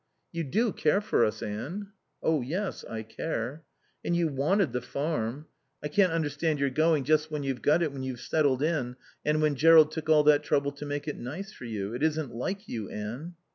"You do care for us, Anne?" "Oh yes, I care." "And you wanted the farm. I can't understand your going just when you've got it, when you've settled, in and when Jerrold took all that trouble to make it nice for you. It isn't like you, Anne."